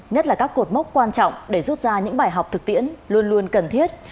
nhất là các cột mốc quan trọng để rút ra những bài học thực tiễn luôn luôn cần thiết